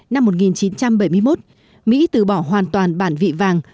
năm một nghìn chín trăm bảy mươi một mỹ từ bỏ hoàn toàn bản vị vàng